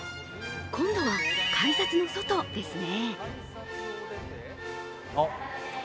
今度は改札の外ですね。